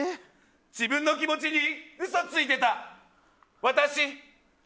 自分の気持ちに嘘ついてた。